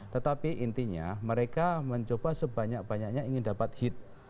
tetapi intinya mereka mencoba sebanyak banyaknya ingin dapat hit